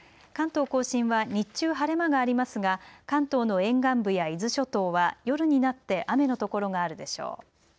関東甲信は日中、晴れ間がありますが関東の沿岸部や伊豆諸島は夜になって雨の所があるでしょう。